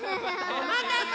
おまたせ！